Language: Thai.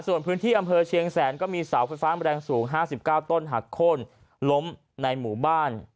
ส่วนพื้นที่อำเภอเชียงแสนก็มีเสาไฟฟ้าแรงสูง๕๙ต้นหักโค้นล้มในหมู่บ้าน